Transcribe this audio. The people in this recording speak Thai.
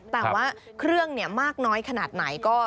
แต่ว่าเครื่องมากน้อยขนาดไหนก็